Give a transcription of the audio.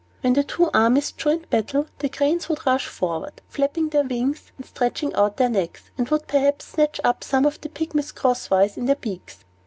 When the two armies joined battle, the cranes would rush forward, flapping their wings and stretching out their necks, and would perhaps snatch up some of the Pygmies crosswise in their beaks.